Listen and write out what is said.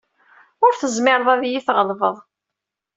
Ur tezmireḍ ad yi-tɣelbeḍ.